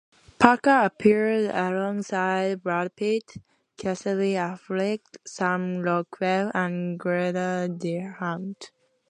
Parker appeared alongside Brad Pitt, Casey Affleck, Sam Rockwell, and Garret Dillahunt.